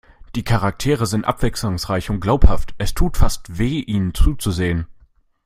Die Charaktere sind abwechslungsreich und glaubhaft. Es tut fast weh, ihnen zuzusehen.